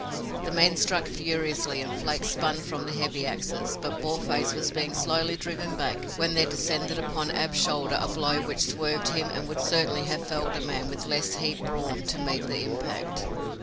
The men struck furiously and flakes spun from the heavy axes, but Boarface was being slowly driven back when there descended upon Ab's shoulder a blow which swerved him and would certainly have felled a man with less heaped brawn to meet the impact.